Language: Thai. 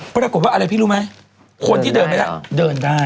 ปรากฏว่าอะไรพี่รู้ไหมคนที่เดินไม่ได้เดินได้